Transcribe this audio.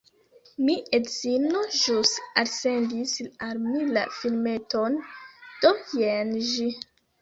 Mi edzino ĵus alsendis al mi la filmeton, do jen ĝi: